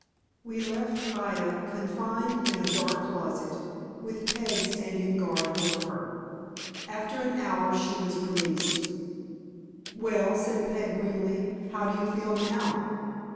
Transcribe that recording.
WE left Ida confined in a dark closet, with Peg standing guard over her. After an hour she was released. "Well," said Peg, grimly, "how do you feel now?"